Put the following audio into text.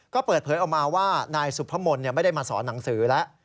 ก็เปิดเผยออกมาว่านายสุพมนต์ไม่ได้มาสอนหนังสือแล้ว